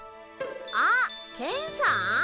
あっケンさん？